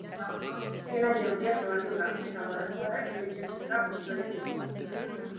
Ke-laino handia zabaldu da, eta badaezpada, hiru etxebizitza hustu egin dituzte.